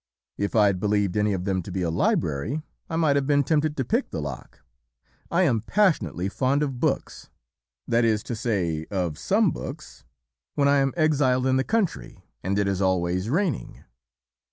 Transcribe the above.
If I had believed any of them to be a library, I might have been tempted to pick the lock; I am passionately fond of books that is to say, of some books when I am exiled in the country and it is always raining.